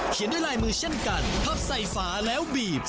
ด้วยลายมือเช่นกันพับใส่ฝาแล้วบีบ